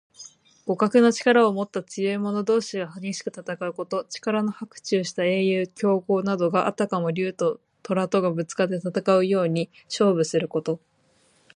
互角の力をもった強い者同士が激しく戦うこと。力の伯仲した英雄・強豪などが、あたかも竜ととらとがぶつかって戦うように勝負すること。